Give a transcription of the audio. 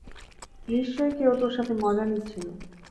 নিশ্চয়ই কেউ তোর সাথে মজা নিচ্ছিল!